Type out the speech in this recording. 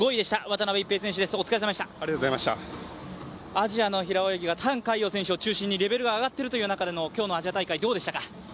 アジアの平泳ぎが覃海洋選手を中心にレベルが上がっているという中での今日のアジア大会、どうでしたか？